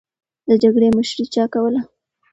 د جګړې مشري چا کوله؟